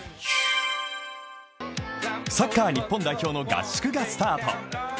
サッカー日本代表の合宿がスタート。